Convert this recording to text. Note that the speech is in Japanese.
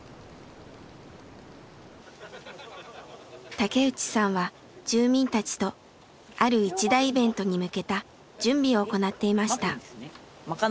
竹内さんは住民たちとある一大イベントに向けた準備を行っていました。